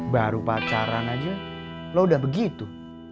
baru pacaran aja lo udah begitu